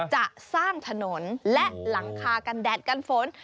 จะสร้างถนนและหลังคากันแดดกันฝน